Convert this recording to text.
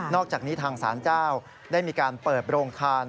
อกจากนี้ทางศาลเจ้าได้มีการเปิดโรงทาน